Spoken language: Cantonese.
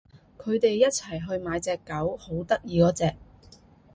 佢哋一齊去買隻狗，好得意嗰隻